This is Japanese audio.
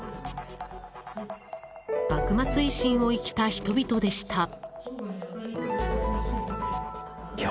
「幕末維新を生きた人々」でした。